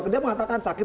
dia mengatakan sakit